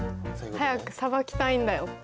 早くさばきたいんだよって。